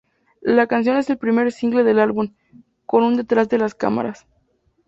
La canción es el primer single del álbum, con un detrás de las cámaras.